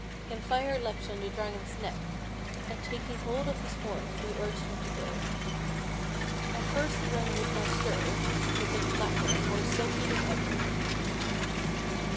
Then Fire leaped on the Dragon's neck, and taking liold of Ills horns he urged him to go. At first the Dragon wouUi not stir, but looked blacker and more suiky than ever.